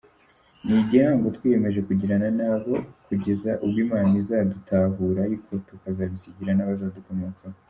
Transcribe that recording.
Ni igihango twiyemeje kugirana nabo kugeza ubwo Imana izadutahura ,ariko tukazabisigira n’abazadukomokaho.